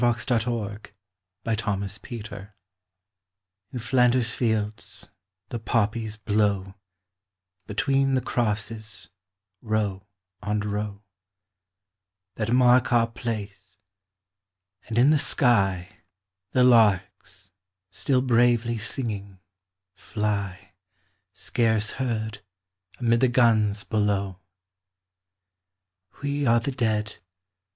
A. L.} IN FLANDERS FIELDS In Flanders fields the poppies grow Between the crosses, row on row That mark our place: and in the sky The larks still bravely singing, fly Scarce heard amid the guns below. We are the Dead.